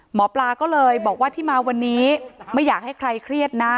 หมอปลาก็เลยบอกว่าที่มาวันนี้ไม่อยากให้ใครเครียดนะ